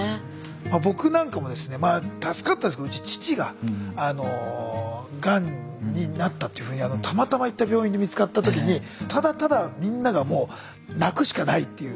まあ僕なんかもですねまあ助かったんですけど父ががんになったっていうふうにたまたま行った病院で見つかった時にただただみんながもう泣くしかないっていう。